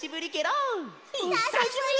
ひさしぶり！